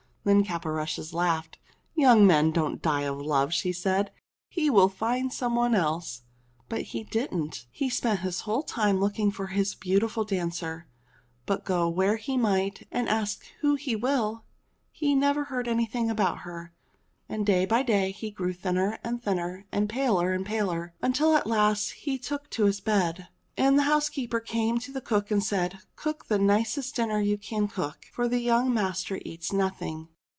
Then Caporushes laughed. "Young men don't die of love," says she. "He will find some one else." But he didn't. He spent his whole time looking for his beautiful dancer, but go where he might, and ask who he will, he never heard anything about her. And day by day he grew thinner and thinner, and paler and paler, until at last he took to his bed. And the housekeeper came to the cook and said, "Cook the nicest dinner you can cook, for young master eats nothing."